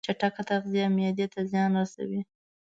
چټک تغذیه معدې ته زیان رسوي.